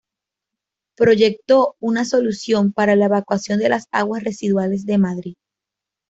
Proyectó una solución para la evacuación de las aguas residuales de Madrid.